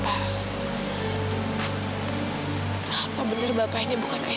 apa benar bapak ini bukan ayah